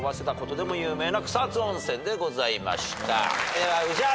では宇治原。